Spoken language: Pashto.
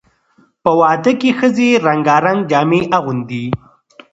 په واده کې ښځې رنګارنګ جامې اغوندي.